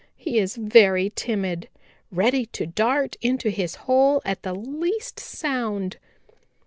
He is very timid, ready to dart into his hole at the least sound.